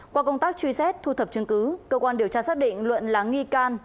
qua công tác truy xét thu thập chứng cứ cơ quan điều tra xác định luận là nghi can